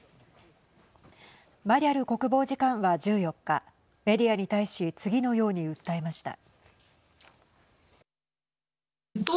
マリャル国防次官は１４日メディアに対し次のように訴えました。